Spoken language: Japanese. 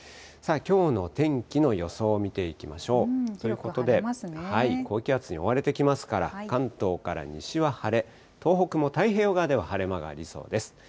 きょうの天気の予想を見ていきましょう。ということで、高気圧、覆われてきますから、関東から西は晴れ、東北も太平洋側では晴れ間がありそうです。